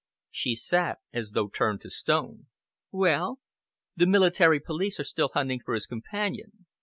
She sat as though turned to stone. "Well?" "The military police are still hunting for his companion.